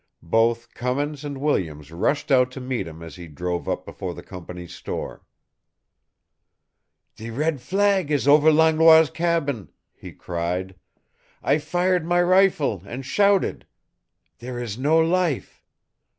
Both Cummins and Williams rushed out to meet him as he drove up before the company's store. "The red flag is over Langlois' cabin!" he cried. "I fired my rifle and shouted. There is no life!